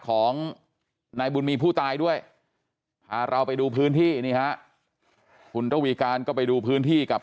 ของนายบุญมีผู้ตายด้วยพาเราไปดูพื้นที่นี่ฮะคุณระวีการก็ไปดูพื้นที่กับ